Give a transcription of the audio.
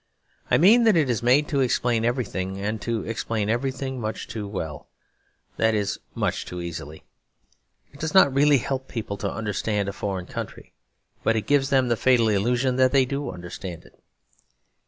I mean that it is made to explain everything, and to explain everything much too well; that is, much too easily. It does not really help people to understand a foreign country; but it gives them the fatal illusion that they do understand it.